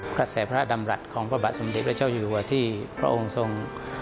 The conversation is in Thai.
กระแสพระดำรัฐของพระบาทสมเด็จพระเจ้าอยู่หัวที่พระองค์ทรง